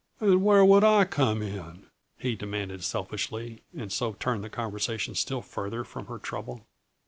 "And where would I come in?" he demanded selfishly, and so turned the conversation still farther from her trouble.